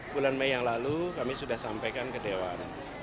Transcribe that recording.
bulan mei yang lalu kami sudah sampaikan ke dewan